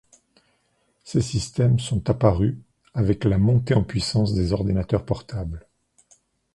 Ces systèmes sont apparus avec la montée en puissance des ordinateurs portables.